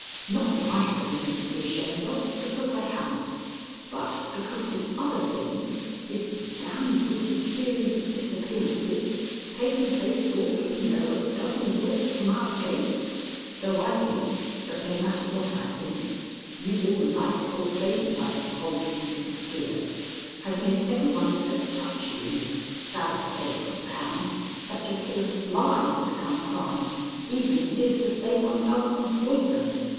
Not that I have anything to be ashamed of, because I haven't, but because this other thing, this d d wicked series of disappearances, taking place, for aught we know, a dozen rods from our gates (though I think but no matter what I think you all like, or say you like, old Deacon Spear), has made every one so touchy in this pharisaical town that to kill a fly has become a crime even if it is to save oneself from poison.